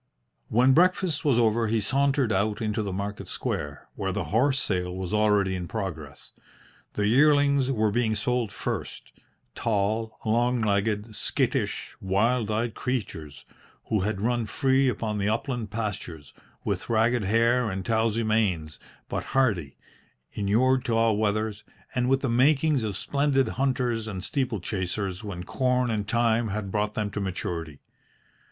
When breakfast was over he sauntered out into the market square, where the horse sale was already in progress. The yearlings were being sold first tall, long legged, skittish, wild eyed creatures, who had run free upon the upland pastures, with ragged hair and towsie manes, but hardy, inured to all weathers, and with the makings of splendid hunters and steeplechasers when corn and time had brought them to maturity.